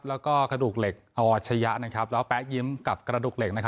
แล้วก็กระดูกเหล็กอวาดชะยะนะครับแล้วแป๊กยิ้มกับกระดูกเหล็กนะครับ